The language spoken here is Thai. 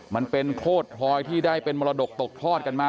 มันเป็นโคตรพลอยที่ได้เป็นมรดกตกทอดกันมา